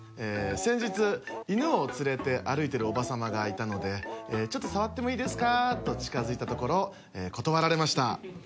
先日犬を連れて歩いてるおば様がいたのでちょっと触ってもいいですか？と近づいたところ断られました。